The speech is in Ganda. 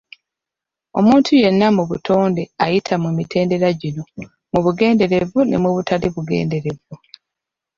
Omuntu yenna mu butonde ayita mu mitendera gino, mu bugenderevu ne mu butali bugenderevu.